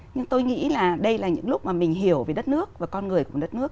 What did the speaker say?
nhưng tôi nghĩ là đây là những lúc mà mình hiểu về đất nước và con người của đất nước